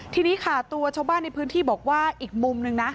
ทีนี้ค่ะตัวชาวบ้านในพื้นที่บอกว่าอีกมุมนึงนะ